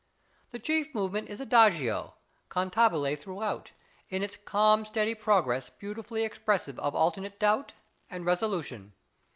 The chief movement is adagio, cantabile throughout, in its calm steady progress beautifully expressive of alternate doubt and resolution.